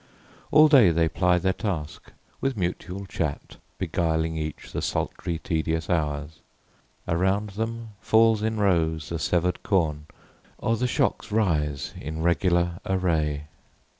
All day they ply their task; with mutual chat, Beguiling each the sultry, tedious hours. Around them falls in rows the sever'd corn, Or the shocks rise in regular array.